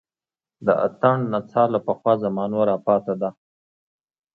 د اتڼ نڅا له پخوا زمانو راپاتې ده